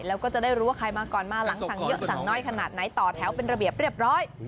แล้วก็จะได้รู้ว่าใครมาก่อนมาหลังสั่งเยอะสั่งน้อยขนาดไหนต่อแถวเป็นระเบียบเรียบร้อย